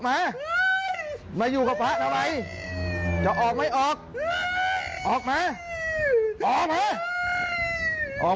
มาอยู่กับพระทำไมจะออกหรือไม่ออก